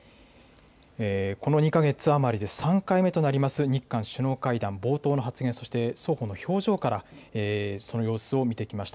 この２か月余りで３回目となります日韓首脳会談、冒頭の発言、そして双方の表情から、その様子を見てきました。